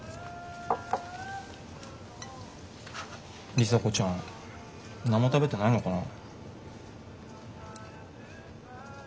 里紗子ちゃん何も食べてないのかな。